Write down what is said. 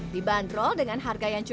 dibanderol dengan harga yang cukup